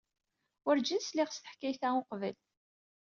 Werjin sliɣ s teḥkayt-a uqbel.